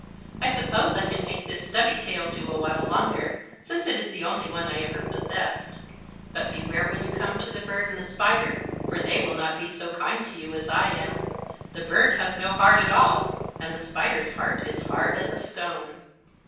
I suppose I can make this stubby tail do a while longer, since it is the only one I ever possessed. But beware when you come to the bird and the spider, for they will not be so kind to you as I am. The bird has no heart at all, and the spider's heart is hard as a stone.